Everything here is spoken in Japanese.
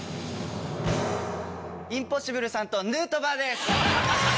インポッシブルさんとヌートバーです。